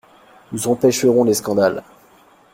Nous empêcherons les scandales.